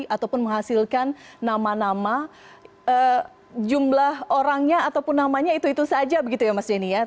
ataupun menghasilkan nama nama jumlah orangnya ataupun namanya itu itu saja begitu ya mas denny ya